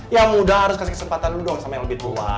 ya muda harus kasih kesempatan dulu dong sama yang lebih tua